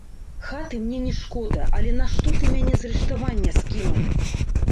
Хаты мне не шкода, але нашто ты мяне з рыштавання скінуў?